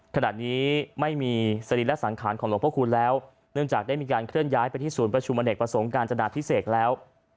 ขณะนี้ไม่มีสรีระสังขารของหลวงพระคุณแล้วเนื่องจากได้มีการเคลื่อนย้ายไปที่ศูนย์ประชุมอเนกประสงค์การจนาพิเศษแล้ว